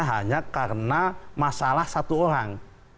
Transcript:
hanya karena masalah satu orang